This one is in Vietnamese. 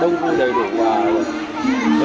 công khí ở đây rất là vui và tấp nhọc